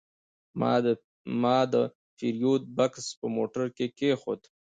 ما د پیرود بکس په موټر کې کېښود.